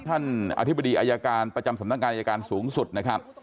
อธิบดีอายการประจำสำนักงานอายการสูงสุดนะครับ